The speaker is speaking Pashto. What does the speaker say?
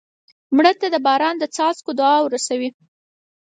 مړه ته د باران د څاڅکو دعا ورسوې